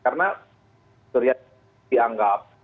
karena surya dianggap